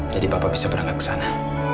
jadi papa bisa berangkat ke sana